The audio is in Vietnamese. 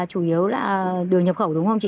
chủ yếu là đường nhập khẩu đúng không chị